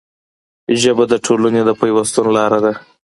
ژبه د ټولنې د پیوستون لاره ده